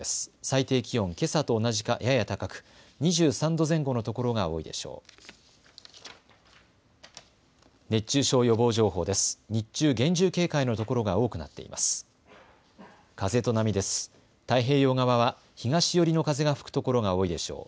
最低気温、けさと同じかやや高く２３度前後の所が多いでしょう。